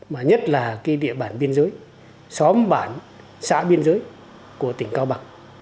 mà nhất là cái địa bản biên giới xóm bản xã biên giới của tỉnh cao bằng